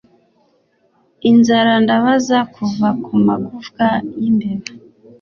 inzara ndabaza kuva kumagufwa yimbeba